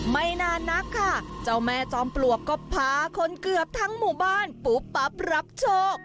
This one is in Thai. ไม่นานนักค่ะเจ้าแม่จอมปลวกก็พาคนเกือบทั้งหมู่บ้านปุ๊บปั๊บรับโชค